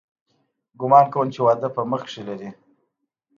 ګومان کوم چې واده په مخ کښې لري.